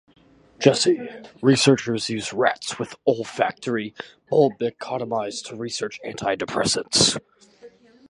Researchers use rats with olfactory bulbectomized to research antidepressants.